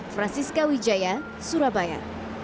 francisca wijaya surabaya